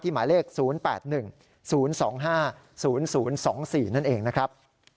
หมายเลข๐๘๑๐๒๕๐๐๒๔นั่นเองนะครับ